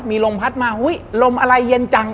มีลมพัดมาลมอะไรเย็นจัง